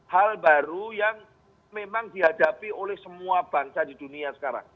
hal baru yang memang dihadapi oleh semua bangsa di dunia sekarang